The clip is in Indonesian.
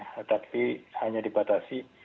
tetapi hanya dibatasi